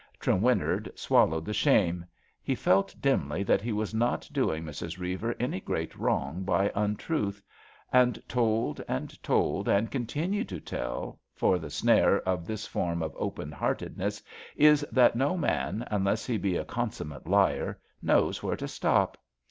Trewinnard swallowed the shame — ^he felt dimly that he was not doing Mrs. Eeiver any great wrong by untruth — and told and told and continued to tell, for the snare of this form of open heartedness is that no man, unless he be a consummate liar, knows where to stop.